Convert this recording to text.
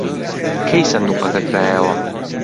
کەی سندووقەکە کرایەوە؟